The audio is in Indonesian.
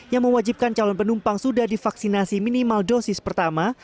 yang mewajibkan calon penumpang sudah divaksinasi minimal dosis pertama